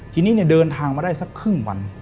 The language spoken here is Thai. ทีนี้เดินทางมาได้สักครึ่งวัน